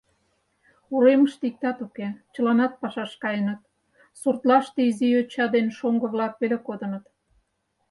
Уремыште иктат уке: чыланат пашаш каеныт, суртлаште изи йоча ден шоҥго-влак веле кодыныт.